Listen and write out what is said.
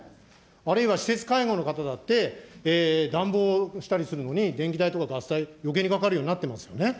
あるいは施設介護の方だって、暖房したりするのに、電気代とかガス代、よけいにかかるようになってますよね。